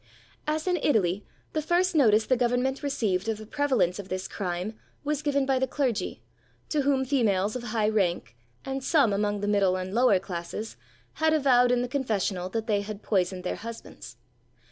As in Italy, the first notice the government received of the prevalence of this crime was given by the clergy, to whom females of high rank, and some among the middle and lower classes, had avowed in the confessional that they had poisoned their husbands.